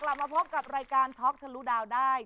กลับมาพบกับรายการท็อกทะลุดาวได้